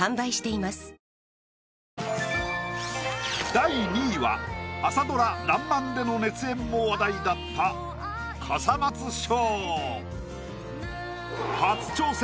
第２位は朝ドラ「らんまん」での熱演も話題だった笠松将。